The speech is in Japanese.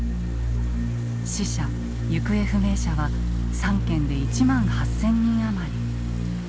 死者行方不明者は３県で１万８，０００人余り。